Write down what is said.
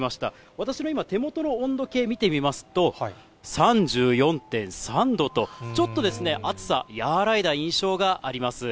私の今、手元の温度計見てみますと、３４．３度と、ちょっと暑さ和らいだ印象があります。